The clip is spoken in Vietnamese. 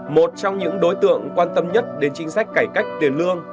một trong những đối tượng quan tâm nhất đến chính sách cải cách tiền lương